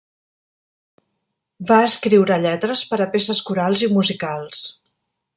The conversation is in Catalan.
Va escriure lletres per a peces corals i musicals.